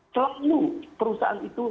selalu perusahaan itu